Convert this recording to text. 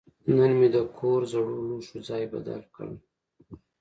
نن مې د کور زړو لوښو ځای بدل کړ.